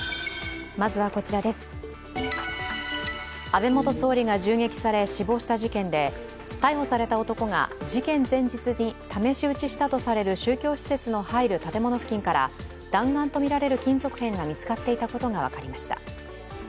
安倍元総理が銃撃され死亡した事件で逮捕された男が事件前日に試し撃ちしたとされる宗教施設の入る建物付近から弾丸とみられる金属片が見つかっていたことが分かりました。